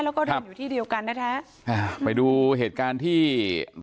แล้วก็เรื่องอยู่ที่เดียวกันนะแท้ไปดูเหตุการณ์ที่